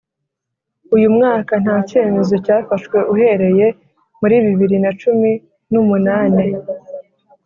uyumwaka nta cyemezo cyafashwe uhereye muri bibiri na cumi numunane